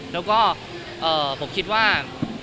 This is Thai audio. แล้วก็ผมคิดว่า